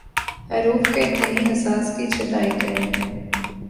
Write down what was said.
حروف کے تئیں حساس کی چھٹائی کریں